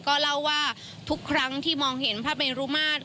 ก็เล่าว่าทุกครั้งที่มองเห็นพระเมรุมาตร